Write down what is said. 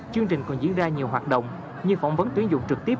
chương trình còn diễn ra nhiều hoạt động như phỏng vấn tuyến dụng trực tiếp